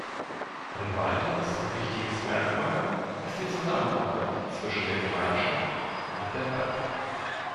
Ein weiteres wichtiges Merkmal ist die Zusammenarbeit zwischen der Gemeinschaft und der Bank.